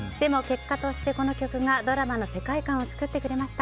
でも、結果としてこの曲がドラマの世界観を作ってくれました。